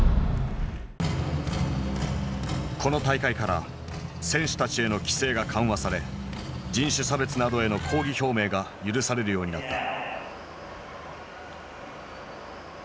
この大会から選手たちへの規制が緩和され人種差別などへの抗議表明が許されるようになった。